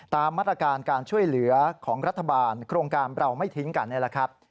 ตามมาตรการการช่วยเหลือของรัฐบาลโครงการเราไม่ทิ้งกันนี่แหละครับ